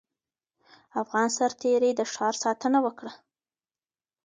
افغان سرتېري د ښار ساتنه وکړه.